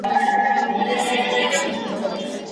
له لېمو مي سفر وکړ لوری نه را معلومېږي